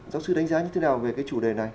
giáo sư đánh giá như thế nào về cái chủ đề này